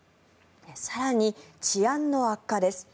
更に、治安の悪化です。